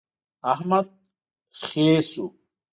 احمد خې شو.